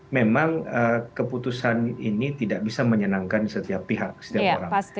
memang keputusan ini tidak bisa menyenangkan setiap pihak setiap orang